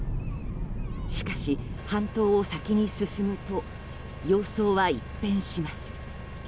しかし、半島を先に進むと様相は一変します。